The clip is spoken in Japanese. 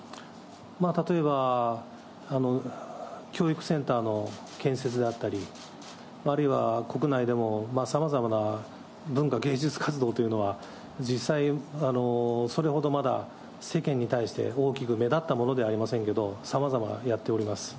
例えば教育センターの建設であったり、あるいは国内でも、さまざまな文化芸術活動というのは実際、それほどまだ世間に対して、大きく目立ったものではありませんけど、さまざまやっております。